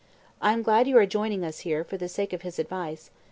I am glad you are joining us here, for the sake of his advice.